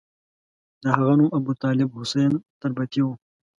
د هغه نوم ابوطالب حسین تربتي وو.